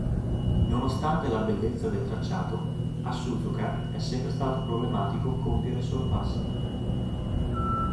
Nonostante la bellezza del tracciato, a Suzuka è sempre stato problematico compiere sorpassi.